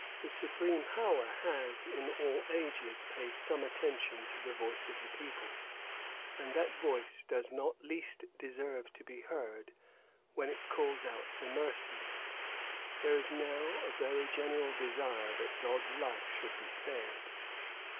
'The supreme power has, in all ages, paid some attention to the voice of the people; and that voice does not least deserve to be heard, when it calls out for mercy. There is now a very general desire that Dodd's life should be spared.